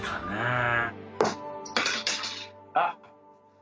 あっ。